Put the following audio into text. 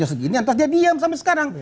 segini antar dia diam sampai sekarang